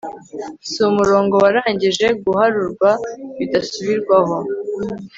si umurongo warangije guharurwa bidasubirwaho